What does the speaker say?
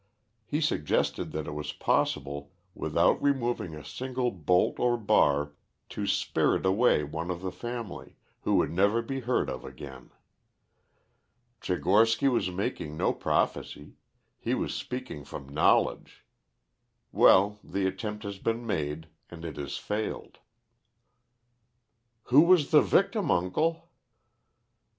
He suggested that it was possible, without removing a single bolt or bar, to spirit away one of the family, who would never be heard of again. Tchigorsky was making no prophesy; he was speaking from knowledge. Well, the attempt has been made and it has failed." "Who was the victim, uncle?"